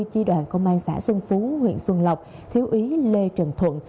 chi đoàn công an xã xuân phú huyện xuân lộc thiếu úy lê trần thuận